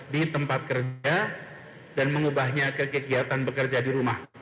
di tempat kerja dan mengubahnya ke kegiatan bekerja di rumah